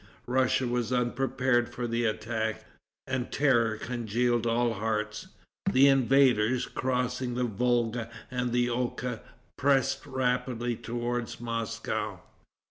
Russia was unprepared for the attack, and terror congealed all hearts. The invaders, crossing the Volga and the Oka, pressed rapidly towards Moscow.